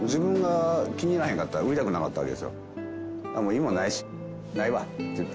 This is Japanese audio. いいものないしないわって言って。